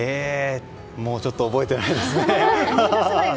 もう、ちょっと覚えてないですね。